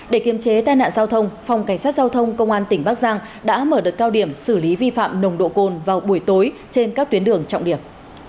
để kiềm chế tai nạn giao thông phòng cảnh sát giao thông công an tỉnh bắc giang đã mở đợt cao điểm xử lý vi phạm nồng độ cồn vào buổi tối trên các tuyến đường trọng điểm